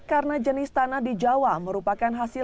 karena jenis tanah di jawa merupakan hasil